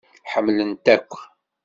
Ḥemmlen-t akk.